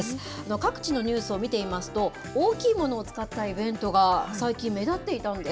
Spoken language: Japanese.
各地のニュースを見てみますと、大きいものを使ったイベントが最近、目立っていたんです。